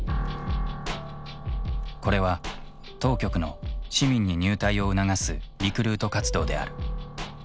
これは当局の市民に入隊を促すリクルート活動である。